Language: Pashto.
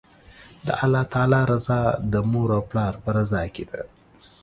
د الله تعالی رضا، د مور او پلار په رضا کی ده